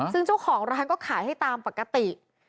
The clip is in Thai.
ซึ่งเจ้าของร้านก็ขายให้ตามปกติ